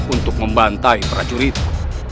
untuk membantai prajuritku